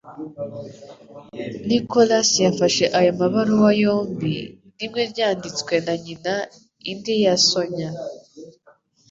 Nicholas yafashe ayo mabaruwa yombi, rimwe ryanditswe na nyina indi ya Sonya.